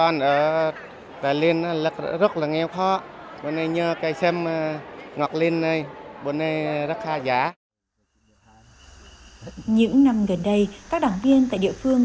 những năm gần đây các đảng viên tại địa phương